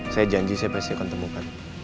saya janji saya pasti akan temukan